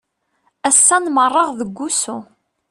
Ass-a nmerreɣ deg usu.